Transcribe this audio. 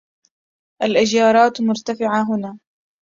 الاجارات مرتفعة هنا.